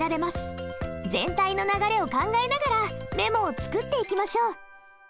全体の流れを考えながらメモを作っていきましょう。